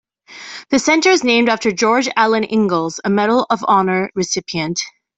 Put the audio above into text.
The center is named after George Alan Ingalls, a Medal of Honor recipient.